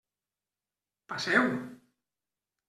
Passeu.